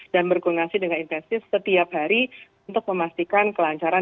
dan berkoordinasi dengan intensif setiap hari untuk memastikan kelancaran